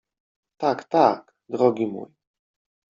— Tak, tak, drogi mój!